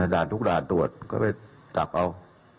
ด่านทุกด่านตรวจก็ไปจับเอา